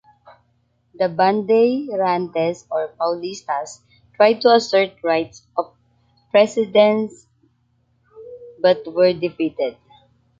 The Bandeirantes, or Paulistas, tried to assert rights of precedence but were defeated.